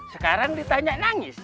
sekarang ditanya nangis